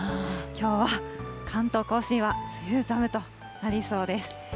きょうは関東甲信は梅雨寒となりそうです。